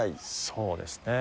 そうですね。